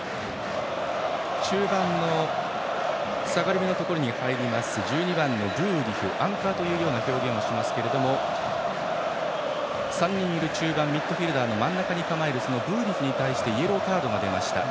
中盤の下がりめのところに入る１２番のブーディフアンカーという表現をしますが３人いる中盤ミッドフィールダーの真ん中に構えるブーディフに対しイエローカードが出ました。